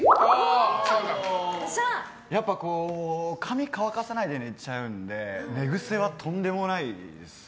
やっぱり髪を乾かさないで寝ちゃうので寝ぐせはとんでもないですね。